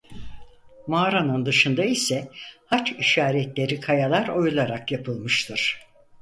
Mağaranın dışında ise haç işaretleri kayalar oyularak yapılmıştır.